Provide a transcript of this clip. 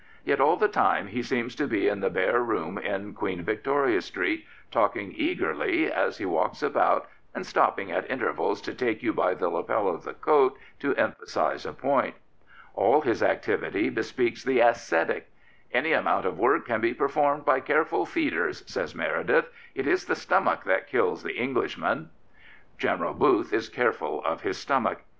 Yet all the time he seems to be in the bare room in Queen Victoria Street, talking eagerly as he walks about and stopping at intervals to take you by the lapel of the coat to emphasise a point. All this activity bespeaks the ascetic. " Any amount of work can be performed by careful feeders," says Meredith; "it is the stomach that kills the Englishman." General Booth is careful of his stomach.